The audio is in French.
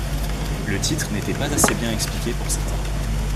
Le titre n'était pas assez bien expliqué pour certain.